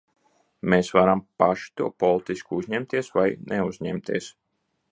Mēs varam paši to politiski uzņemties vai neuzņemties.